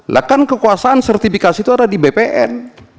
lekan kekuasaan sertifikasi itu ada di bpn